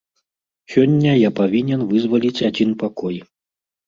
Сёння я павінен вызваліць адзін пакой.